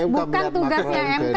bukan tugasnya mk